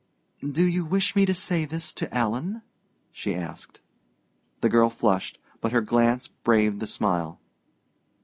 "Do you wish me to say this to Alan?" she asked. The girl flushed, but her glance braved the smile.